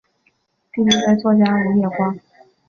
弟弟为作家武野光。